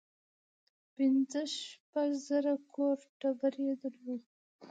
پنځه شپږ زره کور ټبر یې درلود.